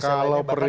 kalau perintah ya